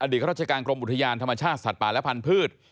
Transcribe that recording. ราชการกรมอุทยานธรรมชาติสัตว์ป่าและพันธุ์